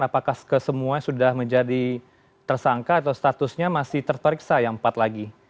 apakah kesemua sudah menjadi tersangka atau statusnya masih terperiksa yang empat lagi